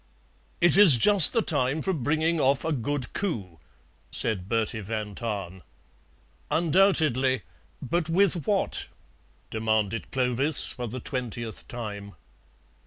"It is just the time for bringing off a good coup," said Bertie van Tahn. "Undoubtedly. But with what?" demanded Clovis for the twentieth time.